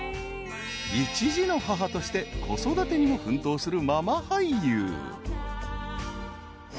［一児の母として子育てにも奮闘する］